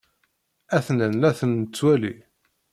A-ten-an la ten-nettwali.